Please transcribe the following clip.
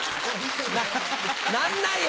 なんないよ！